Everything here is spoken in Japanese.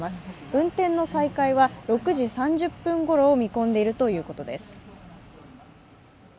運転の再開は６時３０分ごろを見込んでいるということです。